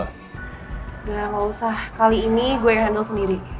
udah gak usah kali ini gue handle sendiri